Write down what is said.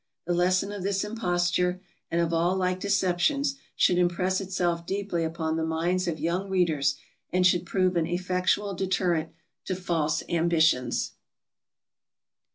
The lesson of this imposture, and of all like deceptions, should impress itself deeply upon the minds of young readers, and should prove an effectual deterrent to false ambitions.